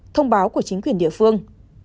thông báo của chính quyền địa phương